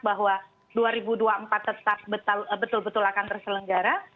bahwa dua ribu dua puluh empat tetap betul betul akan terselenggara